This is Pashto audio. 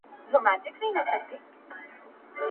لوستې میندې د ماشومانو د غاښونو روغتیا ساتي.